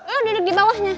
eh duduk di bawahnya